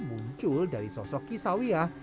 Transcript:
muncul dari sosok kisawiyah